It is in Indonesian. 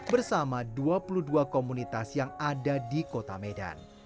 bersama dua puluh dua komunitas yang ada di kota medan